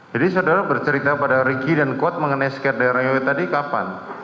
jadi saudara bercerita pada ricky dan kuat mengenai skandal reoi tadi kapan